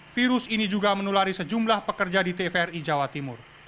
virus ini juga menulari sejumlah pekerja di tvri jawa timur